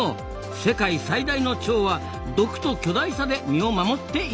世界最大のチョウは毒と巨大さで身を守っていたんですな。